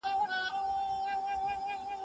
د لاسکي پېژند په اسانۍ په ذهن کي کښېناست.